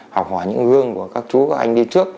học hỏi những gương của các chú các anh đi trước